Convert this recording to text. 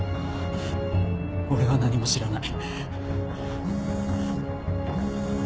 俺は何も知らない。